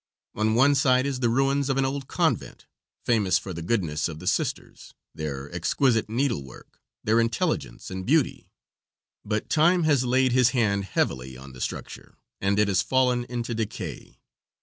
On one side is the ruins of an old convent, famous for the goodness of the sisters, their exquisite needlework, their intelligence and beauty. But time has laid his hand heavily on the structure, and it has fallen into decay.